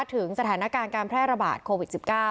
ถึงสถานการณ์การแพร่ระบาดโควิด๑๙